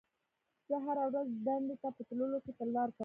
زه هره ورځ دندې ته په تللو کې تلوار کوم.